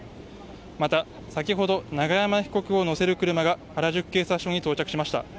また先ほど永山被告を乗せる車が原宿警察署に到着しました。